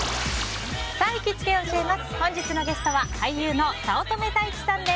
本日のゲストは俳優の早乙女太一さんです。